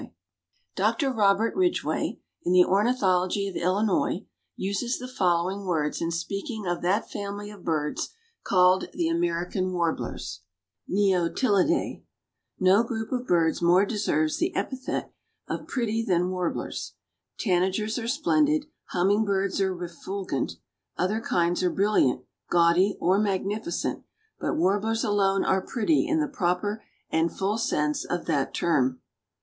_) Dr. Robert Ridgway, in the Ornithology of Illinois, uses the following words in speaking of that family of birds called the American Warblers (Mniotilidae), "No group of birds more deserves the epithet of pretty than the Warblers; Tanagers are splendid; Humming birds are refulgent; other kinds are brilliant, gaudy or magnificent, but Warblers alone are pretty in the proper and full sense of that term."